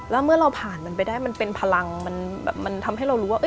แล้วเมื่อเราผ่านมันไปได้มันเป็นพลังมันทำให้เรารู้ว่า